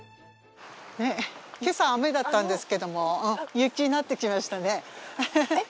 今朝雨だったんですけども雪になってきましたね。